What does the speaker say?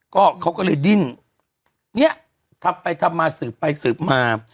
ก็เขาก็เลยดิ้นเนี่ยทำไปทำมาสืบไปสืบมา